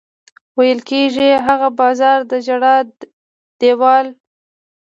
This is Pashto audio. ویل کېږي هغه بازار د ژړا دېوال.